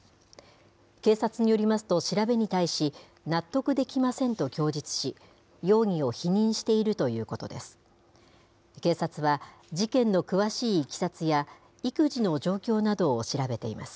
警察によりますと、調べに対し、納得できませんと供述し、容疑を否認しているということです。